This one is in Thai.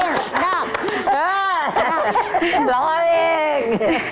ร้องเล่น